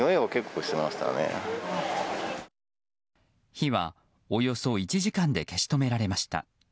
火は、およそ１時間で消し止められました。